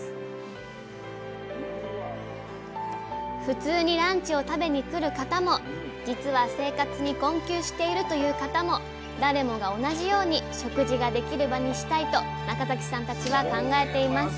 ⁉普通にランチを食べに来る方も実は生活に困窮しているという方も誰もが同じように食事ができる場にしたいと中崎さんたちは考えています